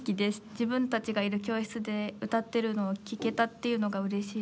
自分たちがいる教室で歌ってるのを聴けたっていうのがうれしい。